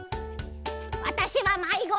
「わたしはまいごだ！